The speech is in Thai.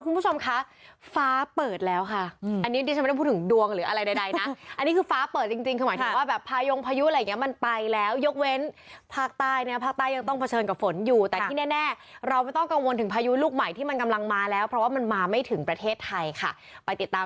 คุณผู้ชมคะฟ้าเปิดแล้วค่ะอันนี้ดิฉันไม่ได้พูดถึงดวงหรืออะไรใดนะอันนี้คือฟ้าเปิดจริงจริงคือหมายถึงว่าแบบพายงพายุอะไรอย่างเงี้มันไปแล้วยกเว้นภาคใต้เนี่ยภาคใต้ยังต้องเผชิญกับฝนอยู่แต่ที่แน่เราไม่ต้องกังวลถึงพายุลูกใหม่ที่มันกำลังมาแล้วเพราะว่ามันมาไม่ถึงประเทศไทยค่ะไปติดตาม